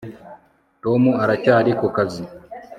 tom aracyari ku kazi